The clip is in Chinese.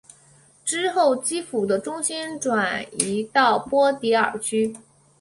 之后基辅的中心转移到波迪尔区。